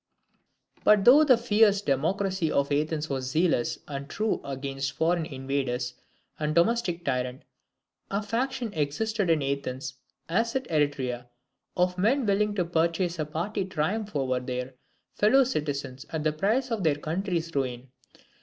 But though "the fierce democracy" of Athens was zealous and true against foreign invader and domestic tyrant, a faction existed in Athens, as at Eretria, of men willing to purchase a party triumph over their fellow citizens at the price of their country's ruin.